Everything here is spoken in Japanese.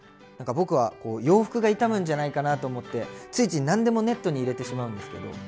なんか僕は洋服が傷むんじゃないかなと思ってついつい何でもネットに入れてしまうんですけど。